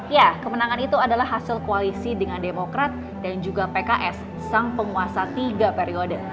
ya kemenangan itu adalah hasil koalisi dengan demokrat dan juga pks sang penguasa tiga periode